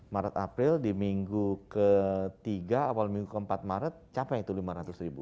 maret april di minggu ketiga awal minggu keempat maret capai itu lima ratus ribu